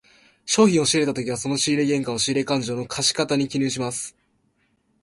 商品を仕入れたときはその仕入れ原価を、仕入れ勘定の借方に記入します。